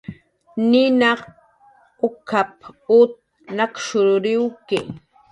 "Ninaq uk""ap"" ut nakshuriwki"